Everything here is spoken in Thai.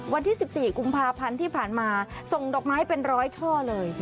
วันที่๑๔กุมภาพันธ์ที่ผ่านมาส่งดอกไม้เป็นร้อยช่อเลย